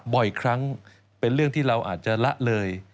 บ่อยครั้งเป็นเรื่องที่เราอาจจะละเลย